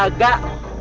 tujuh bayi kembar